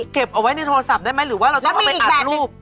เก็บเอาไว้ในโทรศัพท์ได้ไหมหรือว่าเราต้องเอาไปอัดรูป